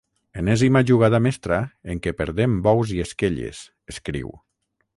Enèsima jugada mestra en què perdem bous i esquelles, escriu.